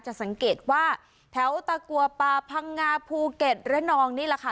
สังเกตว่าแถวตะกัวป่าพังงาภูเก็ตระนองนี่แหละค่ะ